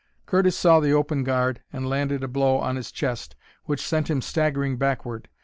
Curtis saw the open guard and landed a blow on his chest which sent him staggering backward.